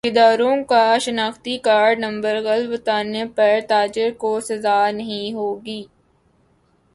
خریداروں کا شناختی کارڈ نمبر غلط بتانے پر تاجر کو سزا نہیں ہوگی